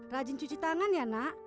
rajin cuci tangan ya nak